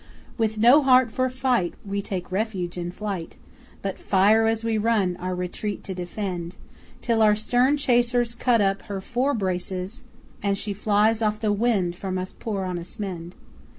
With no heart for fight, We take refuge in flight, But fire as we run, our retreat to defend, Until our stern chasers Cut up her fore braces, And she flies off the wind from us poor honest men!